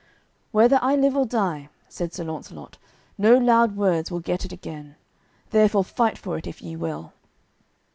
"Whether I live or die," said Sir Launcelot, "no loud words will get it again; therefore fight for it if ye will."